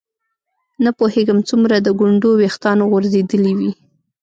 نه پوهېږم څومره د ګونډو ویښتان غورځېدلي وي.